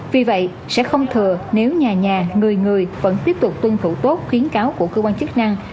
vì vậy sẽ không thừa nếu nhà nhà người người vẫn tiếp tục tuân thủ tốt khuyến cáo của cơ quan chức năng